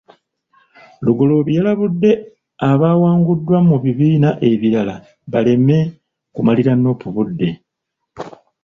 Lugoloobi yalabudde ng'abawanguddwa mu bibiina ebirala baleme kumalira Nuupu budde